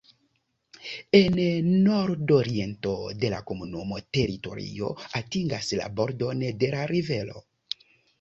En nordoriento la komunuma teritorio atingas la bordon de la rivero.